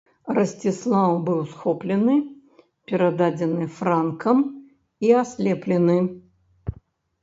Расціслаў быў схоплены, перададзены франкам і аслеплены.